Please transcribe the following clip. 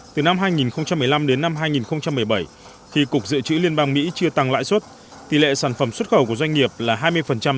từ năm hai nghìn một mươi năm đến năm hai nghìn một mươi bảy khi cục dự trữ liên bang mỹ chưa tăng lãi suất tỷ lệ sản phẩm xuất khẩu của doanh nghiệp là hai mươi